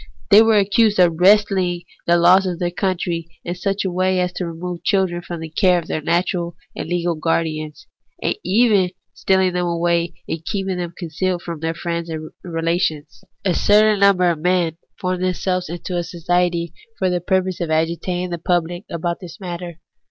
They were accused of wresting the laws of their country in such a way as to remove children from the care of their natural and legal guardians ; and even of steahng them away and keeping them concealed from their friends and relations. A certain number of men formed themselves into a society for the purpose of agitating the pubhc about this matter.